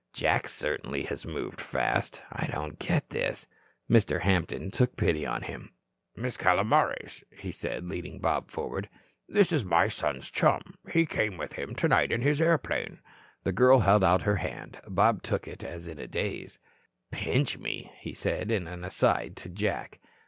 "Jack certainly has moved fast. I don't get this." Mr. Hampton took pity on him. "Miss Calomares," he said, leading Bob forward. "This is my son's chum. He came with him tonight in his airplane." The girl held out her hand. Bob took it as in a daze. "Pinch me," he said, in an aside to Jack.